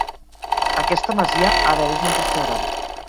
Aquesta masia ara és un restaurant.